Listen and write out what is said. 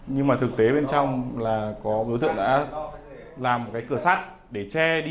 nhưng mà thực tế bên trong là có đối tượng đã làm một cái cửa sắt để che đi